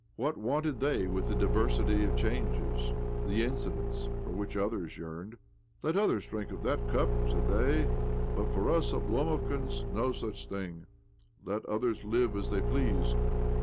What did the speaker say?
What wanted they with the divdfsity, the changes, the incidents, for which others yearned? " Let others drink of that cup," said they ;" but for us Oblomovkans— no such thing. Let others live as they please."